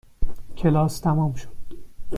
کلاس تمام شد.